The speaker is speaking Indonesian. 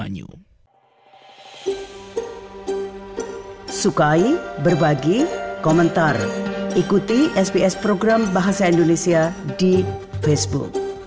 disampaikan oleh dilail abimanyu